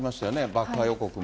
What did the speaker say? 爆破予告も。